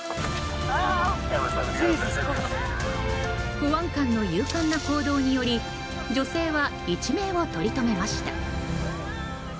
保安官の勇敢な行動により女性は一命を取り留めました。